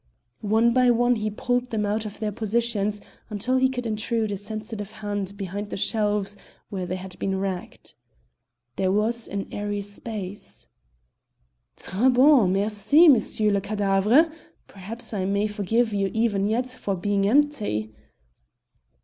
One by one he pulled them out of their positions until he could intrude a sensitive hand behind the shelves where they had been racked. There was an airy space. "Très bon! merci, messieurs les cadavres, perhaps I may forgive you even yet for being empty."